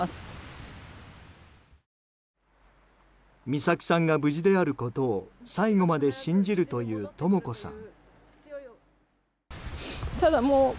美咲さんが無事であることを最後まで信じるというとも子さん。